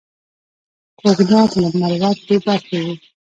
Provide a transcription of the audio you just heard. کوږ نیت له مروت بې برخې وي